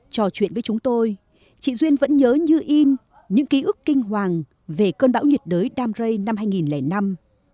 trò chuyện với chúng tôi chị duyên vẫn nhớ như in những ký ức kinh hoàng về cơn bão nhiệt đới dan ray năm hai nghìn năm